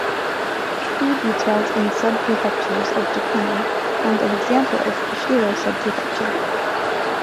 See details in Subprefectures of Japan and an example of Kushiro Subprefecture.